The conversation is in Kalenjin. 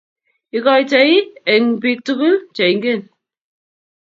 Igoitei eng biik tugul cheingen